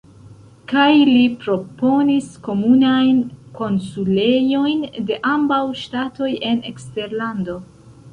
Kaj li proponis komunajn konsulejojn de ambaŭ ŝtatoj en eksterlando.